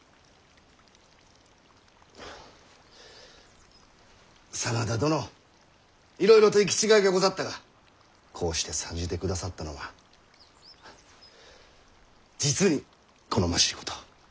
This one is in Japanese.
はあ真田殿いろいろと行き違いがござったがこうして参じてくださったのは実に好ましいこと。